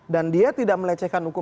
dan dia tidak melecehkan hukum